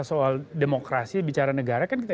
soal demokrasi bicara negara kan kita